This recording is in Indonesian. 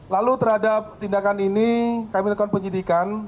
lalu terhadap tindakan ini kami lakukan penyidikan